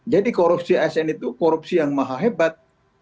jadi korupsi asn itu korupsi yang maha hebat